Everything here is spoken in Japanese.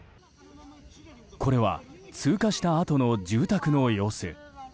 これは通過したあとの住宅の様子。